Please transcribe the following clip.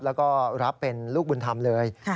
แล้วก็รับเป็นลูกบุญธรรมเลย